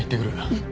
うん。